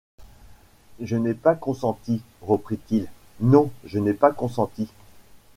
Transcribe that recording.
Je n’ai pas consenti. .. reprit-il, non. .. je n’ai pas consenti !...